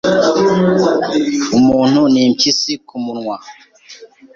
Umuntu ni impyisi kumunwa